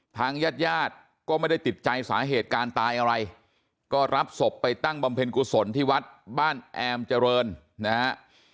ทางญาติญาติก็ไม่ได้ติดใจสาเหตุการตายอะไรก็รับศพไปตั้งบำเพ็ญกุศลที่วัดบ้านแอมเจริญนะฮะ